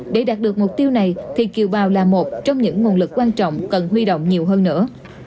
để đạt được mục tiêu này thì kiều bào là một trong những nguồn lực quan trọng cần huy động nhiều hơn nữa